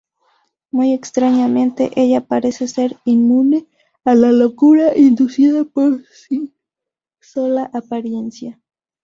Muy extrañamente, ella parece ser inmune a la locura inducida por su sola apariencia.